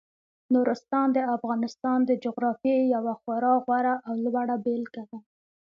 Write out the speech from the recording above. نورستان د افغانستان د جغرافیې یوه خورا غوره او لوړه بېلګه ده.